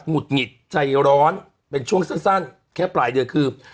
ุดหงิดใจร้อนเป็นช่วงสั้นแค่ปลายเดือนคือ